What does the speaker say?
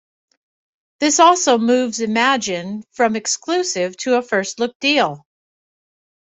This also moves Imagine from exclusive to a first look deal.